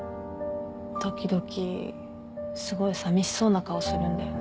時々すごいさみしそうな顔するんだよね。